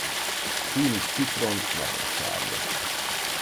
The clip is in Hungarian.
Színük citrom-narancssárga.